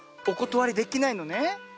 おことわりできないのね？